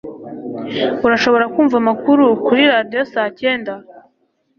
Urashobora kumva amakuru kuri radio saa cyenda